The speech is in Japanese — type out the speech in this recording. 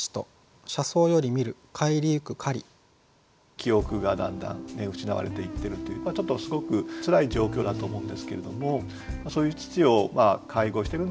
記憶がだんだん失われていってるというちょっとすごくつらい状況だと思うんですけれどもそういう父を介護してるんでしょうね。